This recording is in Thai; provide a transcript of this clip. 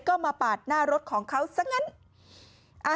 ก็มาปาดหน้ารถของเขาซะงั้น